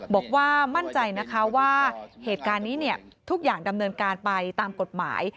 บอกว่ามั่นใจนะคะว่าเหตุการณ์นี้ทุกอย่างดำเนินการไปตามกฎหมาย